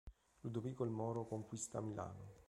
Ludovico il Moro conquista Milano.